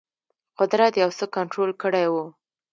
قدرت یو څه کنټرول کړی وو.